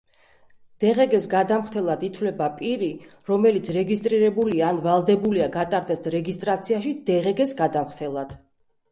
დღგ-ს გადამხდელად ითვლება პირი, რომელიც რეგისტრირებულია ან ვალდებულია გატარდეს რეგისტრაციაში დღგ-ს გადამხდელად.